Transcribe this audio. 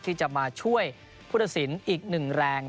ที่จะมาช่วยผู้ตัดสินอีกหนึ่งแรง